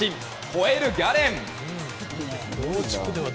ほえるギャレン！